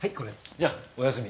じゃあおやすみ。